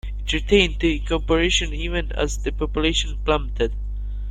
It retained the incorporation even as the population plummeted.